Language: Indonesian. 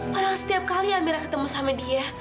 padahal setiap kali amira ketemu sama dia